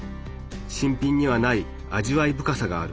新品にはない味わい深さがある。